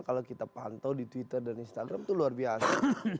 kalau kita pantau di twitter dan instagram itu luar biasa